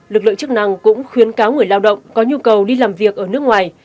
lực lượng chức năng cũng khuyến cáo người lao động có nhu cầu đi làm việc ở nước ngoài